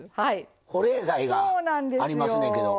保冷剤がありますねんけど。